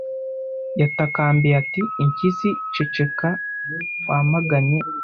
Yatakambiye ati Impyisi ceceka wamaganye